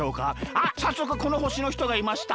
あっさっそくこのほしのひとがいました。